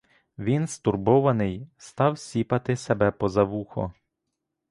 Він стурбований став сіпати себе поза вухо.